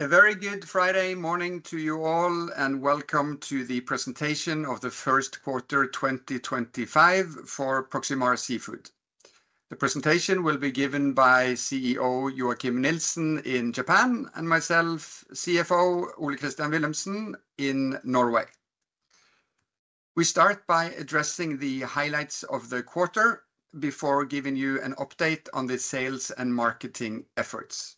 A very good Friday morning to you all, and welcome to the Presentation of the first quarter 2025 for Proximar Seafood. The presentation will be given by CEO Joachim Nielsen in Japan and myself, CFO Ole Christian Willumsen in Norway. We start by addressing the highlights of the quarter before giving you an update on the sales and marketing efforts.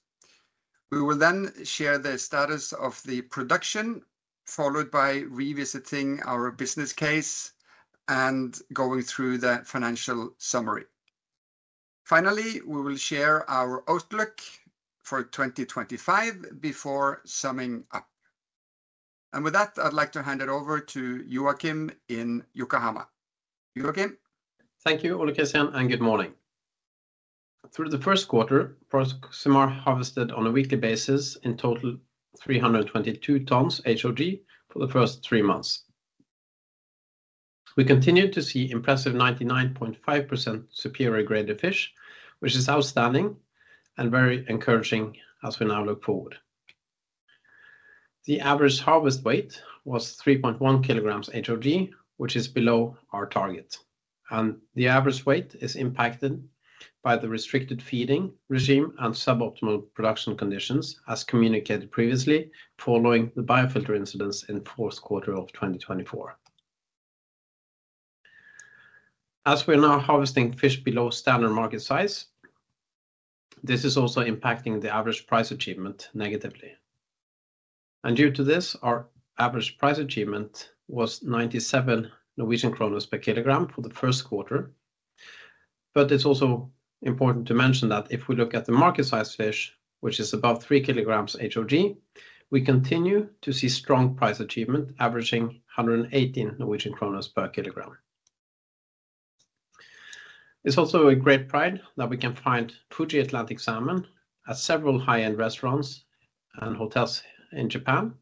We will then share the status of the production, followed by revisiting our business case and going through the financial summary. Finally, we will share our outlook for 2025 before summing up. With that, I'd like to hand it over to Joachim in Yokohama. Joachim? Thank you, Ole Christian, and good morning. Through the first quarter, Proximar harvested on a weekly basis in total 322 tons HOG for the first three months. We continued to see impressive 99.5% superior grade of fish, which is outstanding and very encouraging as we now look forward. The average harvest weight was 3.1 kg HOG, which is below our target. The average weight is impacted by the restricted feeding regime and suboptimal production conditions, as communicated previously following the biofilter incidents in the fourth quarter of 2024. As we are now harvesting fish below standard market size, this is also impacting the average price achievement negatively. Due to this, our average price achievement was 97 Norwegian kroner per kg for the first quarter. It is also important to mention that if we look at the market size fish, which is above 3 kg HOG, we continue to see strong price achievement, averaging 118 per kg. It is also a great pride that we can find Fuji Atlantic salmon at several high-end restaurants and hotels in Japan,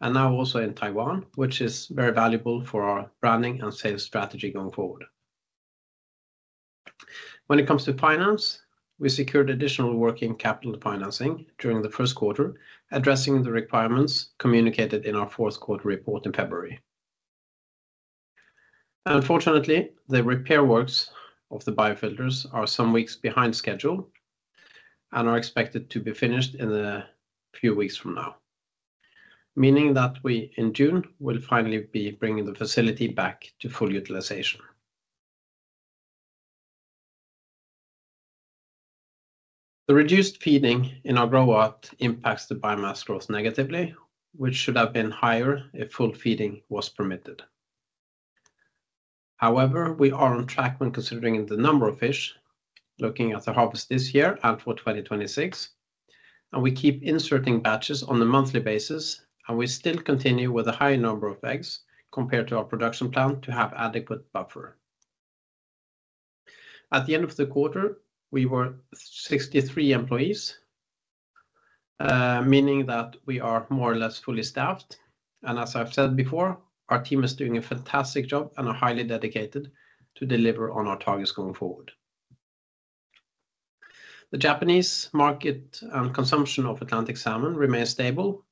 and now also in Taiwan, which is very valuable for our branding and sales strategy going forward. When it comes to finance, we secured additional working capital financing during the first quarter, addressing the requirements communicated in our fourth quarter report in February. Unfortunately, the repair works of the biofilters are some weeks behind schedule and are expected to be finished in a few weeks from now, meaning that we in June will finally be bringing the facility back to full utilization. The reduced feeding in our grow-out impacts the biomass growth negatively, which should have been higher if full feeding was permitted. However, we are on track when considering the number of fish looking at the harvest this year and for 2026, and we keep inserting batches on a monthly basis, and we still continue with a high number of eggs compared to our production plan to have adequate buffer. At the end of the quarter, we were 63 employees, meaning that we are more or less fully staffed. As I've said before, our team is doing a fantastic job and are highly dedicated to deliver on our targets going forward. The Japanese market and consumption of Atlantic salmon remain stable,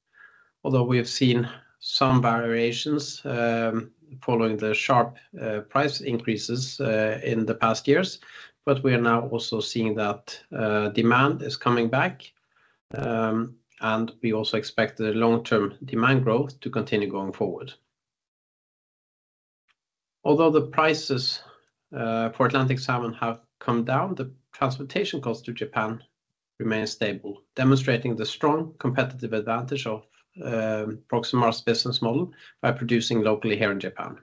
although we have seen some variations following the sharp price increases in the past years. We are now also seeing that demand is coming back, and we also expect the long-term demand growth to continue going forward. Although the prices for Atlantic salmon have come down, the transportation cost to Japan remains stable, demonstrating the strong competitive advantage of Proximar's business model by producing locally here in Japan.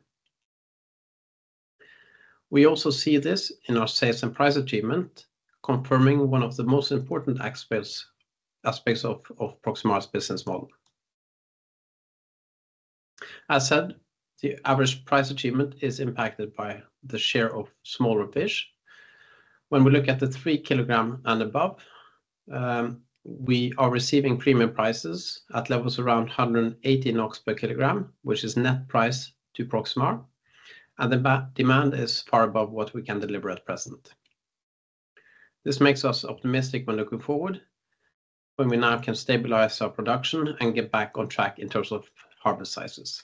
We also see this in our sales and price achievement, confirming one of the most important aspects of Proximar's business model. As said, the average price achievement is impacted by the share of smaller fish. When we look at the 3 kg and above, we are receiving premium prices at levels around 180 NOK per kg, which is net price to Proximar, and the demand is far above what we can deliver at present. This makes us optimistic when looking forward, when we now can stabilize our production and get back on track in terms of harvest sizes.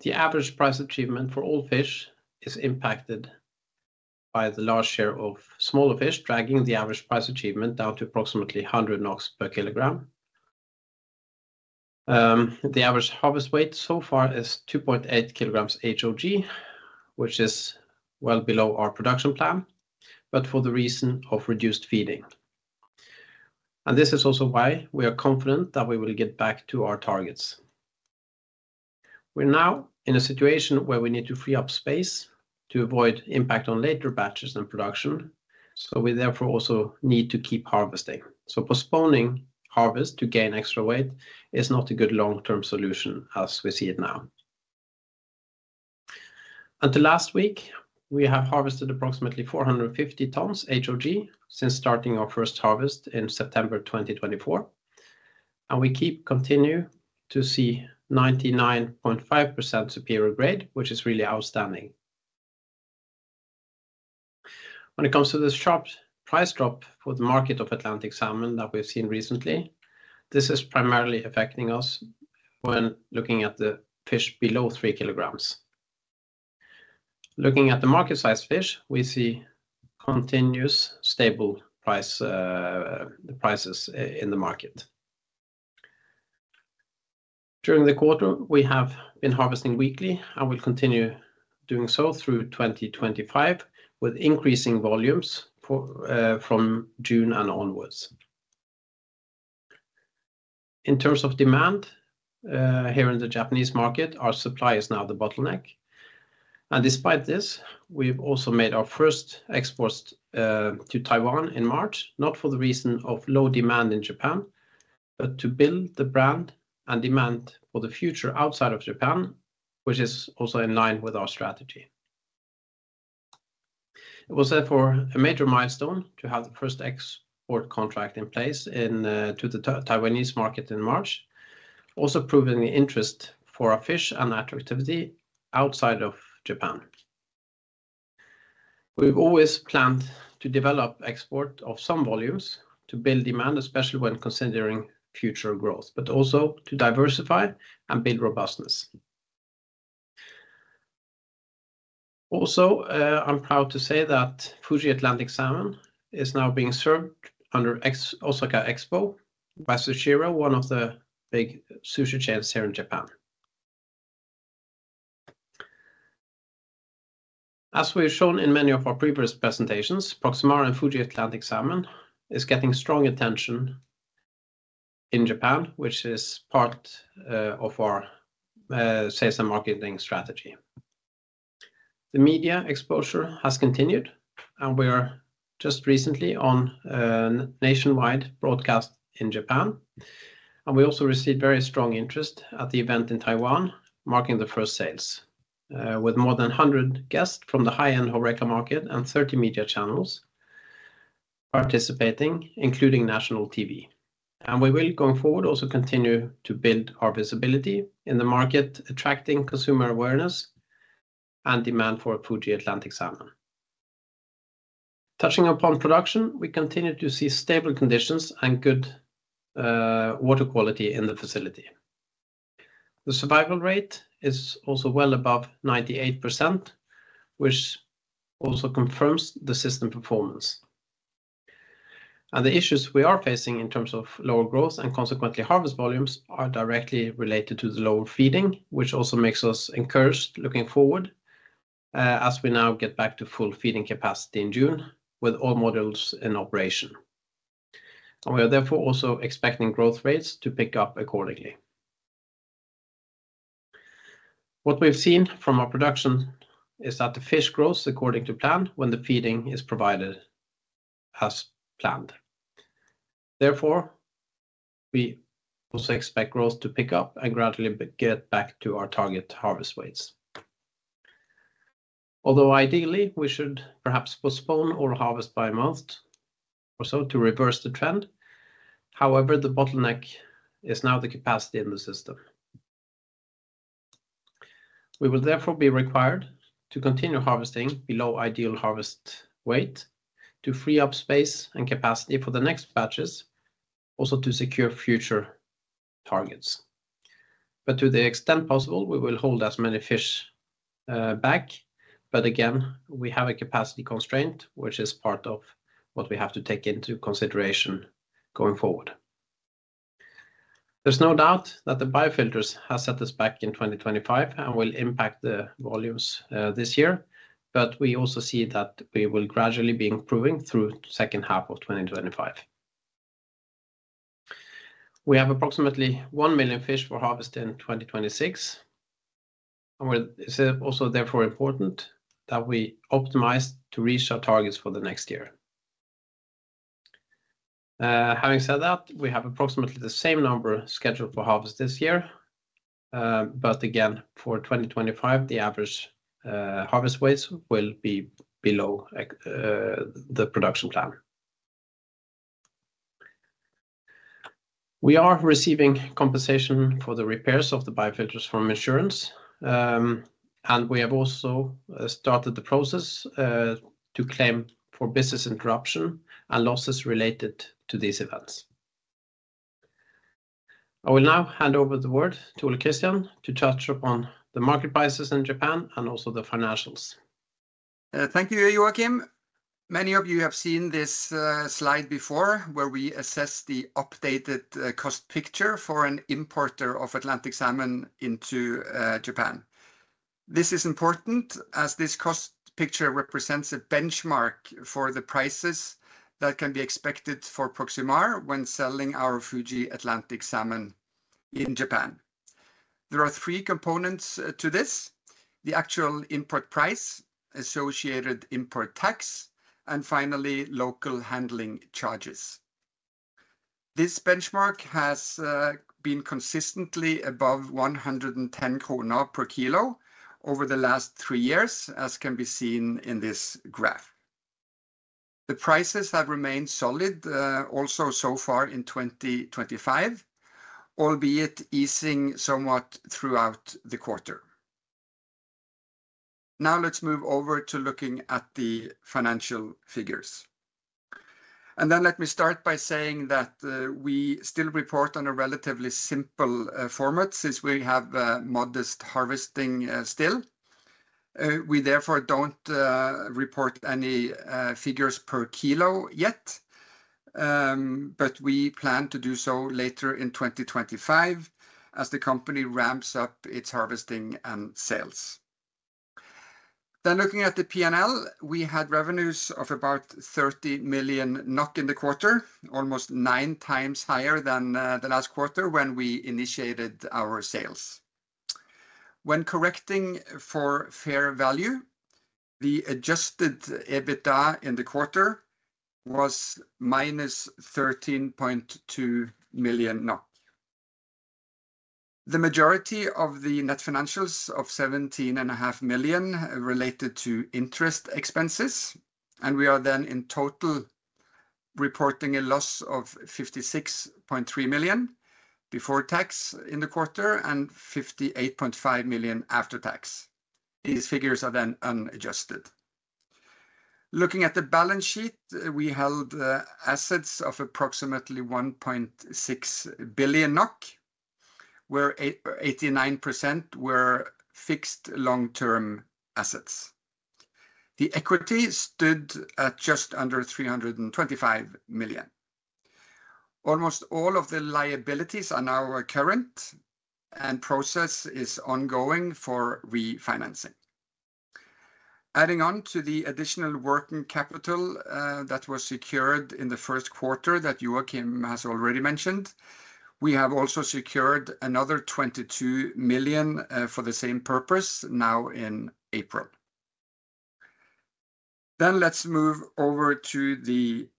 The average price achievement for all fish is impacted by the large share of smaller fish, dragging the average price achievement down to approximately 100 NOK per kg. The average harvest weight so far is 2.8 kg HOG, which is well below our production plan, but for the reason of reduced feeding. This is also why we are confident that we will get back to our targets. We're now in a situation where we need to free up space to avoid impact on later batches and production, so we therefore also need to keep harvesting. Postponing harvest to gain extra weight is not a good long-term solution as we see it now. Until last week, we have harvested approximately 450 tons HOG since starting our first harvest in September 2024, and we keep continuing to see 99.5% superior grade, which is really outstanding. When it comes to the sharp price drop for the market of Atlantic salmon that we've seen recently, this is primarily affecting us when looking at the fish below 3 kg. Looking at the market size fish, we see continuous stable prices in the market. During the quarter, we have been harvesting weekly and will continue doing so through 2025, with increasing volumes from June and onwards. In terms of demand here in the Japanese market, our supply is now the bottleneck. Despite this, we've also made our first exports to Taiwan in March, not for the reason of low demand in Japan, but to build the brand and demand for the future outside of Japan, which is also in line with our strategy. It was therefore a major milestone to have the first export contract in place to the Taiwanese market in March, also proving the interest for our fish and attractivity outside of Japan. We've always planned to develop export of some volumes to build demand, especially when considering future growth, but also to diversify and build robustness. Also, I'm proud to say that Fuji Atlantic salmon is now being served under Osaka Expo by Sushiro, one of the big sushi chains here in Japan. As we've shown in many of our previous presentations, Proximar and Fuji Atlantic salmon is getting strong attention in Japan, which is part of our sales and marketing strategy. The media exposure has continued, and we are just recently on a nationwide broadcast in Japan. We also received very strong interest at the event in Taiwan, marking the first sales, with more than 100 guests from the high-end HoReCa market and 30 media channels participating, including national TV. We will go forward also continue to build our visibility in the market, attracting consumer awareness and demand for Fuji Atlantic salmon. Touching upon production, we continue to see stable conditions and good water quality in the facility. The survival rate is also well above 98%, which also confirms the system performance. The issues we are facing in terms of lower growth and consequently harvest volumes are directly related to the lower feeding, which also makes us encouraged looking forward as we now get back to full feeding capacity in June with all models in operation. We are therefore also expecting growth rates to pick up accordingly. What we've seen from our production is that the fish grows according to plan when the feeding is provided as planned. Therefore, we also expect growth to pick up and gradually get back to our target harvest weights. Although ideally, we should perhaps postpone our harvest by a month or so to reverse the trend, the bottleneck is now the capacity in the system. We will therefore be required to continue harvesting below ideal harvest weight to free up space and capacity for the next batches, also to secure future targets. To the extent possible, we will hold as many fish back. Again, we have a capacity constraint, which is part of what we have to take into consideration going forward. There is no doubt that the biofilters have set us back in 2025 and will impact the volumes this year, but we also see that we will gradually be improving through the second half of 2025. We have approximately 1 million fish for harvest in 2026, and it is also therefore important that we optimize to reach our targets for the next year. Having said that, we have approximately the same number scheduled for harvest this year, but again, for 2025, the average harvest weights will be below the production plan. We are receiving compensation for the repairs of the biofilters from insurance, and we have also started the process to claim for business interruption and losses related to these events. I will now hand over the word to Ole Christian to touch upon the market prices in Japan and also the financials. Thank you, Joachim. Many of you have seen this slide before where we assess the updated cost picture for an importer of Atlantic salmon into Japan. This is important as this cost picture represents a benchmark for the prices that can be expected for Proximar when selling our Fuji Atlantic salmon in Japan. There are three components to this: the actual import price, associated import tax, and finally, local handling charges. This benchmark has been consistently above 110 krone per kilo over the last three years, as can be seen in this graph. The prices have remained solid also so far in 2025, albeit easing somewhat throughout the quarter. Now let's move over to looking at the financial figures. Let me start by saying that we still report on a relatively simple format since we have modest harvesting still. We therefore don't report any figures per kilo yet, but we plan to do so later in 2025 as the company ramps up its harvesting and sales. Looking at the P&L, we had revenues of about 30 million NOK in the quarter, almost nine times higher than the last quarter when we initiated our sales. When correcting for fair value, the adjusted EBITDA in the quarter was -13.2 million. The majority of the net financials of 17.5 million related to interest expenses, and we are then in total reporting a loss of 56.3 million before tax in the quarter and 58.5 million after tax. These figures are then unadjusted. Looking at the balance sheet, we held assets of approximately 1.6 billion NOK, where 89% were fixed long-term assets. The equity stood at just under 325 million. Almost all of the liabilities are now recurrent, and process is ongoing for refinancing. Adding on to the additional working capital that was secured in the first quarter that Joachim has already mentioned, we have also secured another 22 million for the same purpose now in April. Let's move over to the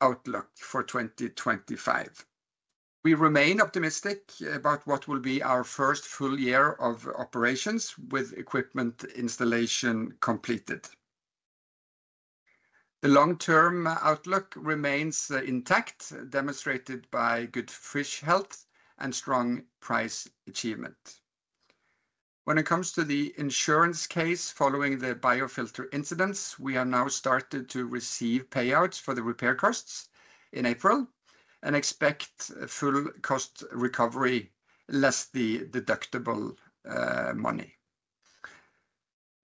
outlook for 2025. We remain optimistic about what will be our first full year of operations with equipment installation completed. The long-term outlook remains intact, demonstrated by good fish health and strong price achievement. When it comes to the insurance case following the biofilter incidents, we have now started to receive payouts for the repair costs in April and expect full cost recovery less the deductible money.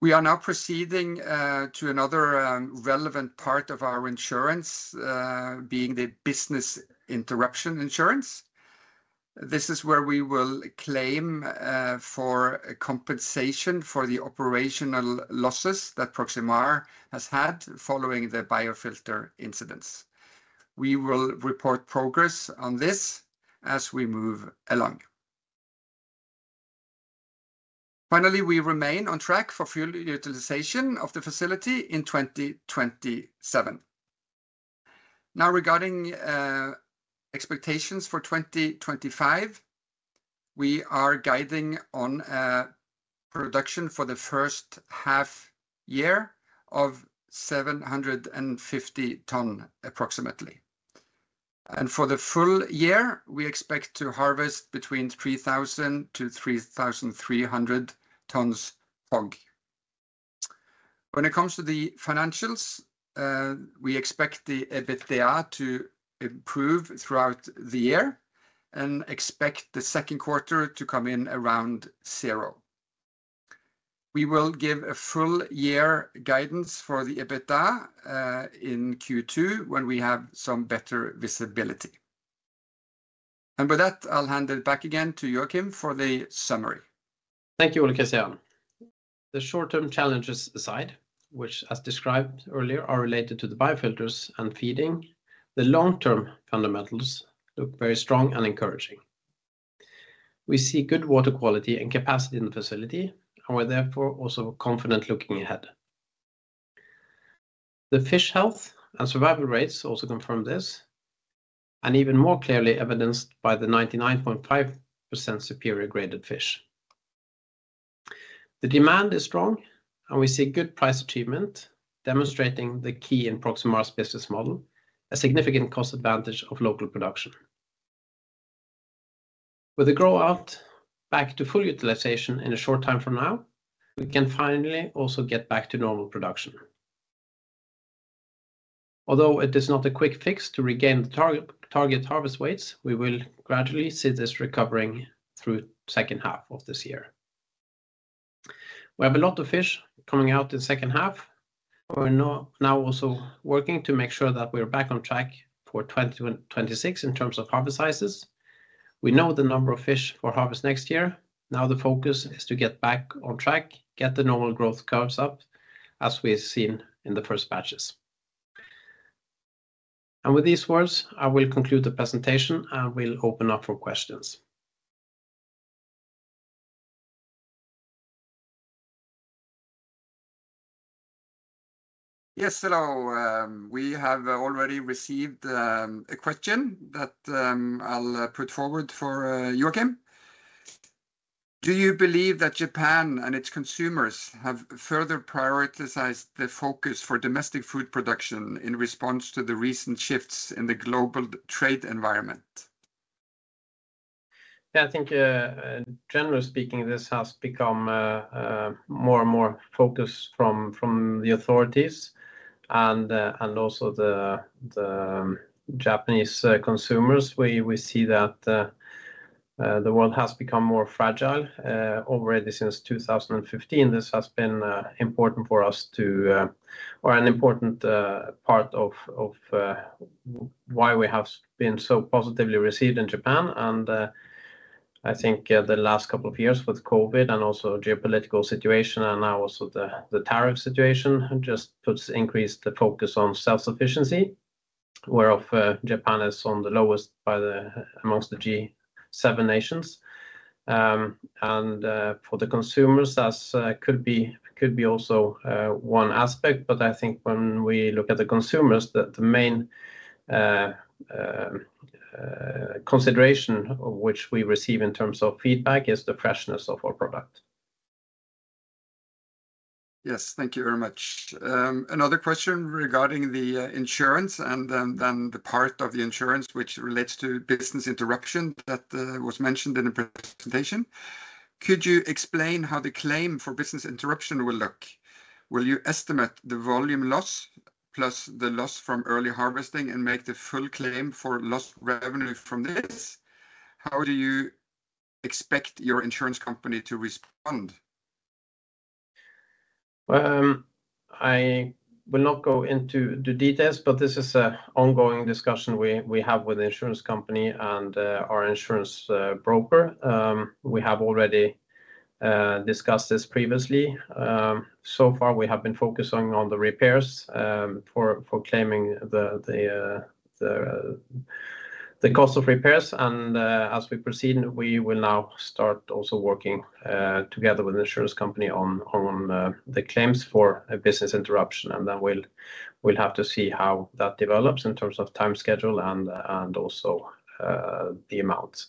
We are now proceeding to another relevant part of our insurance, being the business interruption insurance. This is where we will claim for compensation for the operational losses that Proximar has had following the biofilter incidents. We will report progress on this as we move along. Finally, we remain on track for full utilization of the facility in 2027. Now, regarding expectations for 2025, we are guiding on production for the first half year of 750 tons approximately. For the full year, we expect to harvest between 3,000-3,300 tons HOG. When it comes to the financials, we expect the EBITDA to improve throughout the year and expect the second quarter to come in around zero. We will give a full year guidance for the EBITDA in Q2 when we have some better visibility. With that, I'll hand it back again to Joachim for the summary. Thank you, Ole Christian. The short-term challenges aside, which, as described earlier, are related to the biofilters and feeding, the long-term fundamentals look very strong and encouraging. We see good water quality and capacity in the facility and were therefore also confident looking ahead. The fish health and survival rates also confirm this, and even more clearly evidenced by the 99.5% superior graded fish. The demand is strong, and we see good price achievement, demonstrating the key in Proximar's business model, a significant cost advantage of local production. With the grow-out back to full utilization in a short time from now, we can finally also get back to normal production. Although it is not a quick fix to regain the target harvest weights, we will gradually see this recovering through the second half of this year. We have a lot of fish coming out in the second half. We're now also working to make sure that we are back on track for 2026 in terms of harvest sizes. We know the number of fish for harvest next year. Now the focus is to get back on track, get the normal growth curves up as we have seen in the first batches. With these words, I will conclude the presentation and we'll open up for questions. Yes, hello. We have already received a question that I'll put forward for Joachim. Do you believe that Japan and its consumers have further prioritized the focus for domestic food production in response to the recent shifts in the global trade environment? Yeah, I think, generally speaking, this has become more and more focused from the authorities and also the Japanese consumers. We see that the world has become more fragile already since 2015. This has been important for us to, or an important part of why we have been so positively received in Japan. I think the last couple of years with COVID and also geopolitical situation, and now also the tariff situation, just increased the focus on self-sufficiency, where Japan is on the lowest amongst the G7 nations. For the consumers, that could be also one aspect, but I think when we look at the consumers, the main consideration of which we receive in terms of feedback is the freshness of our product. Yes, thank you very much. Another question regarding the insurance and then the part of the insurance which relates to business interruption that was mentioned in the presentation. Could you explain how the claim for business interruption will look? Will you estimate the volume loss plus the loss from early harvesting and make the full claim for lost revenue from this? How do you expect your insurance company to respond? I will not go into the details, but this is an ongoing discussion we have with the insurance company and our insurance broker. We have already discussed this previously. So far, we have been focusing on the repairs for claiming the cost of repairs. As we proceed, we will now start also working together with the insurance company on the claims for business interruption. We will have to see how that develops in terms of time schedule and also the amounts.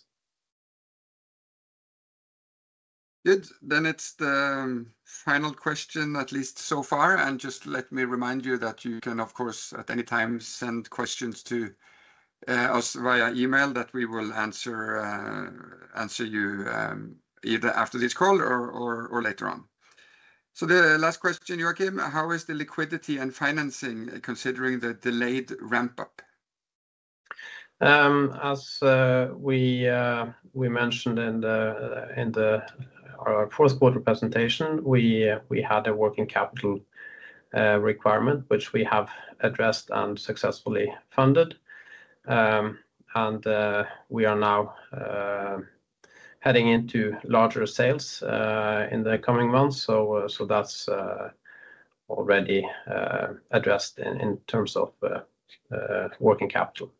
Good. Then it's the final question, at least so far. Just let me remind you that you can, of course, at any time send questions to us via email that we will answer you either after this call or later on. The last question, Joachim, how is the liquidity and financing considering the delayed ramp-up? As we mentioned in our first quarter presentation, we had a working capital requirement, which we have addressed and successfully funded. We are now heading into larger sales in the coming months. That is already addressed in terms of working capital.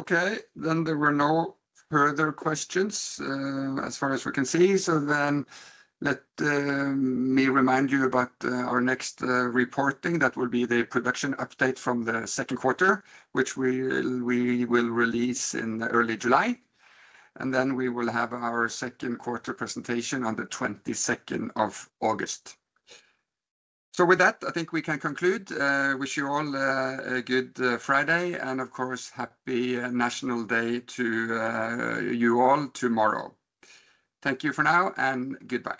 Okay, then there were no further questions as far as we can see. Let me remind you about our next reporting. That will be the production update from the second quarter, which we will release in early July. We will have our second quarter presentation on the 22nd of August. With that, I think we can conclude. Wish you all a good Friday and, of course, Happy National Day to you all tomorrow. Thank you for now and goodbye.